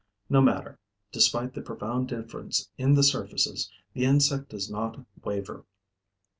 No matter: despite the profound difference in the surfaces, the insect does not waver.